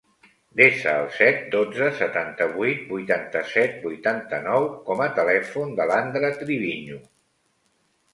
Desa el set, dotze, setanta-vuit, vuitanta-set, vuitanta-nou com a telèfon de l'Andra Triviño.